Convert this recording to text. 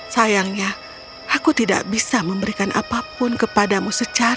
sayangnya aku tidak bisa memberikan apapun kepada mu